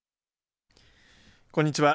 こんにちは。